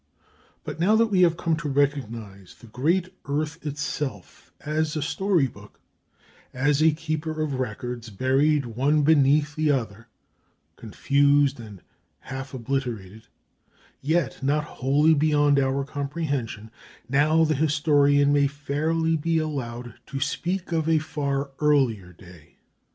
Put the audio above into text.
But now that we have come to recognize the great earth itself as a story book, as a keeper of records buried one beneath the other, confused and half obliterated, yet not wholly beyond our comprehension, now the historian may fairly be allowed to speak of a far earlier day.